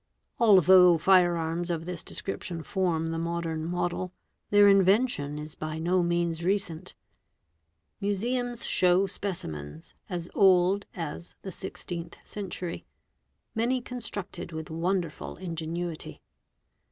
Although fire arms of this description form the modern model, their invention is by no means recent. Museums show specimens as old as the 16th century, many constructed — with wonderful ingenuity.